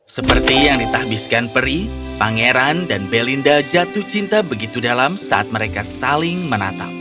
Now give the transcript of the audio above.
seperti yang ditahbiskan peri pangeran dan belinda jatuh cinta begitu dalam saat mereka saling menatap